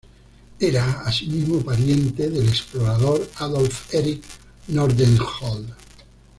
Era asimismo pariente del explorador Adolf Erik Nordenskjöld.